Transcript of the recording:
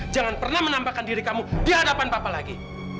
jangan pernah menambahkan diri kamu di hadapan papa lagi